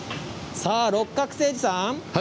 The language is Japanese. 六角精児さん。